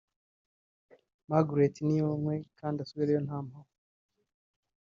"Margaret niyonkwe kandi asubireyo nta mahwa"